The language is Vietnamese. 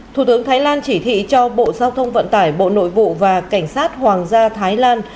thủ tướng thái lan chỉ thị cho bộ giao thông vận tải bộ nội vụ và cảnh sát hoàng gia thái lan